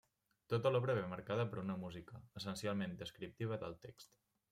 Tota l'obra ve marcada per una música essencialment descriptiva del text.